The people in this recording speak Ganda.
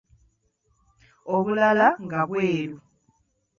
Obulala nga bweru.